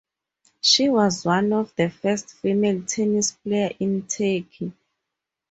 She was one of the first female tennis players in Turkey.